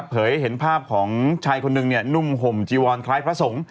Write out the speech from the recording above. เห็นภาพของชายคนหนึ่งนุ่มห่มจีวอนคล้ายพระสงฆ์